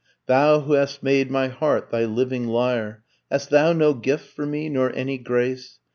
Thou who hast made my heart thy living lyre, Hast thou no gift for me, nor any grace?